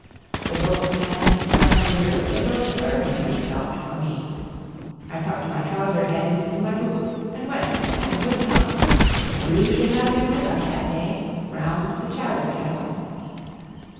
The boatman and clam diggers arose early and stopt for me, I tucked my trouser ends in my boots and went and had a good time; You should have been with us that day round the chowder kettle.